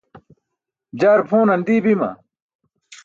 jaar pʰonan dii bima?